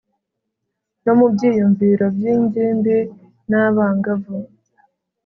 no mu byiyumviro by ingimbi n abangavu